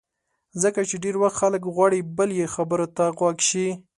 ځکه چې ډېری وخت خلک غواړي بل یې خبرو ته غوږ شي.